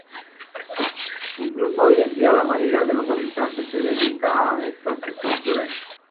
Incluso hoy en día, la mayoría de los habitantes se dedican a estas estructuras.